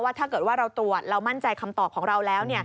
ถ้าเกิดว่าเราตรวจเรามั่นใจคำตอบของเราแล้ว